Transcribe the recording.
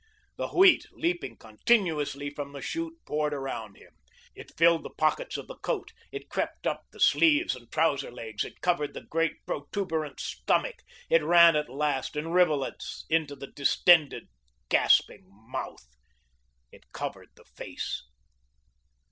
The Wheat, leaping continuously from the chute, poured around him. It filled the pockets of the coat, it crept up the sleeves and trouser legs, it covered the great, protuberant stomach, it ran at last in rivulets into the distended, gasping mouth. It covered the face.